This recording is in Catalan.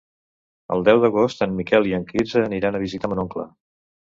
El deu d'agost en Miquel i en Quirze aniran a visitar mon oncle.